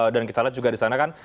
dan kita lihat juga di sana kan